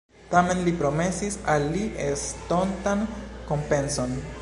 Tamen, li promesis al li estontan kompenson.